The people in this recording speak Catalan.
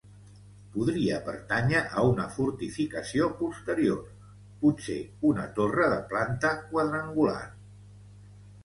Podria pertànyer a una fortificació posterior, potser una torre de planta quadrangular.